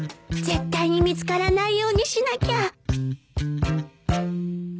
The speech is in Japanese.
絶対に見つからないようにしなきゃん？